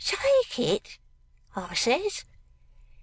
"Take it?" I says.